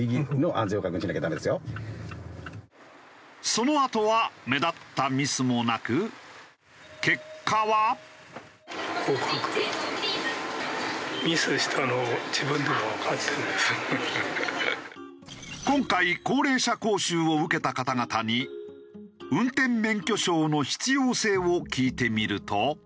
そのあとは目立ったミスもなく今回高齢者講習を受けた方々に運転免許証の必要性を聞いてみると。